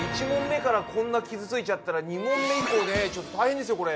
１問目からこんな傷ついちゃったら２問目以降ねちょっと大変ですよ